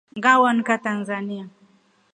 Nga wonikia Tanzania.